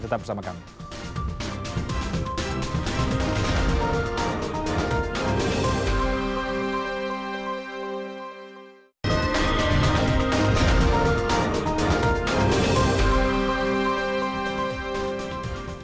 tetap bersama kami